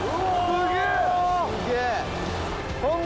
すげえ。